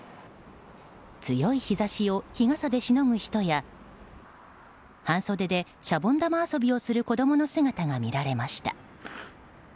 強い日差しを日傘でしのぐ人や半袖でシャボン玉遊びをする子供の姿が見られました。